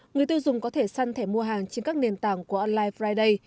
người tiêu dùng có thể săn thẻ mua hàng trên các nền tảng của online friday